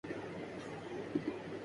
کسی چیز کی حد بھی ہوتی ہے۔